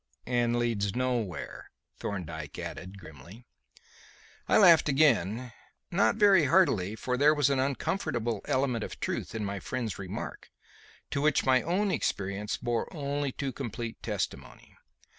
'" "And leads nowhere," Thorndyke added grimly. I laughed again; not very heartily, for there was an uncomfortable element of truth in my friend's remark, to which my own experience bore only too complete testimony.